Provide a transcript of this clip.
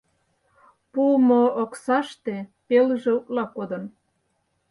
Пуымо оксаште пелыже утла кодын.